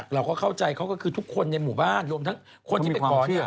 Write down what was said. เราก็เข้าใจเขาก็คือทุกคนในหมู่บ้านรวมทั้งคนที่ไปขอเชื่อ